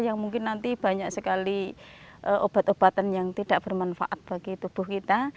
yang mungkin nanti banyak sekali obat obatan yang tidak bermanfaat bagi tubuh kita